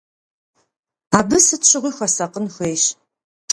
Абы сыт щыгъуи хуэсакъын хуейщ.